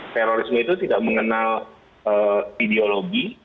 terorisme itu tidak mengenal ideologi